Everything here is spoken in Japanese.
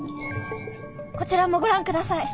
こちらもご覧下さい。